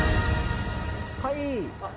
はい。